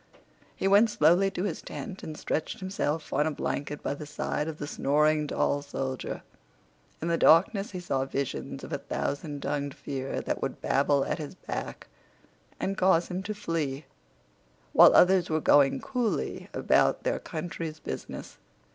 He went slowly to his tent and stretched himself on a blanket by the side of the snoring tall soldier. In the darkness he saw visions of a thousand tongued fear that would babble at his back and cause him to flee, while others were going coolly about their country's business.